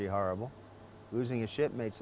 menghilangkan pasukan itu hampir sama teruk